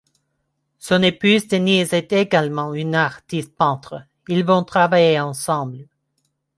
Son épouse Denise est également une artiste peintre, ils vont travailler ensemble.